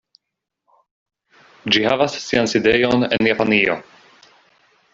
Ĝi havas sian sidejon en Japanio.